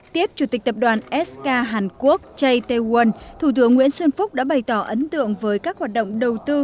tiếp chủ tịch tập đoàn sk hàn quốc jee won thủ tướng nguyễn xuân phúc đã bày tỏ ấn tượng với các hoạt động đầu tư